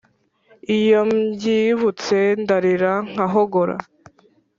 iyo mbyibutse ndarira nkahogora